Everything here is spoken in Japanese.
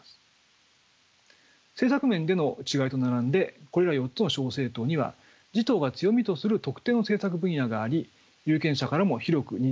政策面での違いと並んでこれら４つの小政党には自党が強みとする特定の政策分野があり有権者からも広く認知されています。